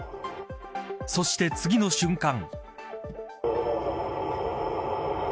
そして次の瞬間。